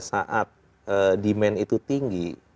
saat demand itu tinggi